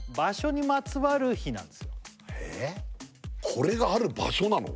これが「ある場所」なの？